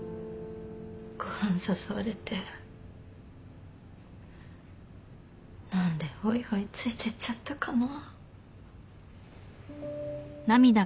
ご飯誘われて何でほいほいついてっちゃったかな。